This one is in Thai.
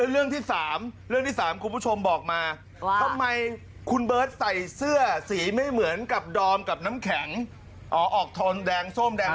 เรื่องที่๓เรื่องที่๓คุณผู้ชมบอกมาทำไมคุณเบิร์ตใส่เสื้อสีไม่เหมือนกับดอมกับน้ำแข็งอ๋อออกทนแดงส้มแดง